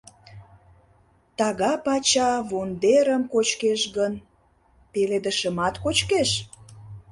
— Тага пача вондерым кочкеш гын, пеледышымат кочкеш?